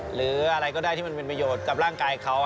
หรืออะไรก็ได้ที่มันเป็นประโยชน์กับร่างกายเขา